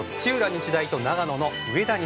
日大と長野の上田西。